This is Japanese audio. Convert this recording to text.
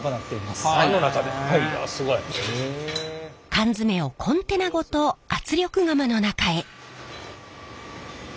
缶詰をコンテナごと圧力釜の中へ。